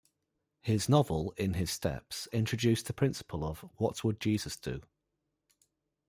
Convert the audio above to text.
His novel, "In His Steps," introduced the principle of "What Would Jesus Do?